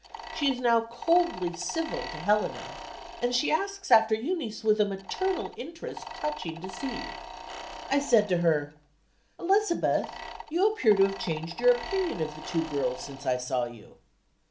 She is now coldly civil to Helena; and she asks after Eunice with a maternal interest touching to see I said to her: "Elizabeth, you appear to have changed your opinion of the two girls, since I saw you."